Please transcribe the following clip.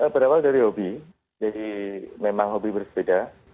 berdasarkan hobi jadi memang hobi berbeda